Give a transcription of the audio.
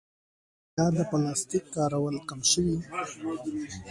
آیا د پلاستیک کارول کم شوي؟